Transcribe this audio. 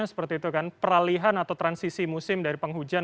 seperti itu kan peralihan atau transisi musim dari penghujan